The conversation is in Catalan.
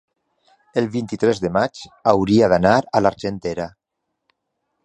el vint-i-tres de maig hauria d'anar a l'Argentera.